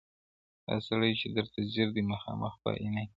دا سړی چي درته ځیر دی مخامخ په آیینه کي,